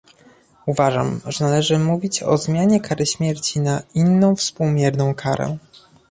Uważam, że należy mówić o zmianie kary śmierci "na inną współmierną karę"